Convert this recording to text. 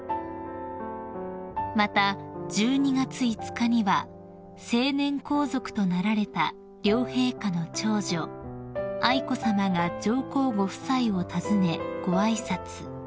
［また１２月５日には成年皇族となられた両陛下の長女愛子さまが上皇ご夫妻を訪ねご挨拶］